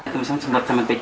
tidak kuat semen lepas